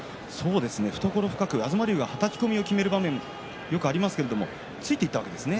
懐深く東龍がはたき込みをきめる場面がよくありますけれどもついていったわけですね。